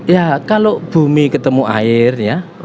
ya kalau bumi ketemu air ya